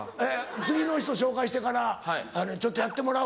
次の人紹介してからちょっとやってもらうわ。